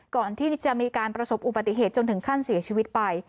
ก่อนที่จะมีการประสบอุบัติเหตุจนถึงขั้นเสียชีวิตไป